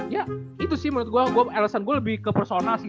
ya itu sih menurut gue alasan gue lebih ke persona sih